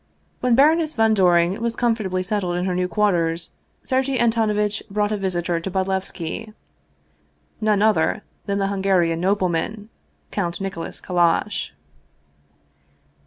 When Baroness von Doring was comfortably settled in her new quarters, Sergei Antonovitch brought a visitor to Bodlevski: none other than the Hungarian nobleman, Count Nicholas Kallash.